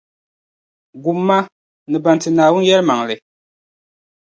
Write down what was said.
Gum ma, ni ban ti Naawuni yɛlimaŋli.